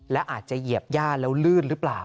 และอาจจะเหยียบย่าแล้วลื่นหรือเปล่า